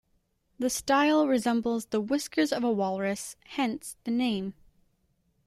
The style resembles the whiskers of a walrus, hence the name.